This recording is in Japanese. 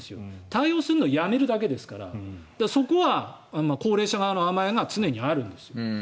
対応するのはやめるだけですからそこは高齢者側の甘えが常にあるんですよ。